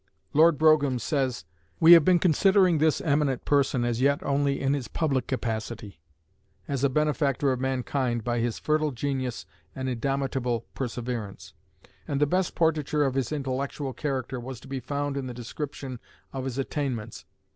Lord Brougham says: We have been considering this eminent person as yet only in his public capacity, as a benefactor of mankind by his fertile genius and indomitable perseverance; and the best portraiture of his intellectual character was to be found in the description of his attainments.